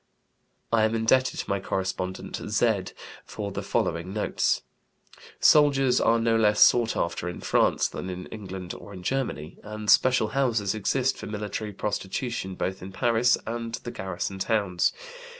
I am indebted to my correspondent "Z" for the following notes: "Soldiers are no less sought after in France than in England or in Germany, and special houses exist for military prostitution both in Paris and the garrison towns.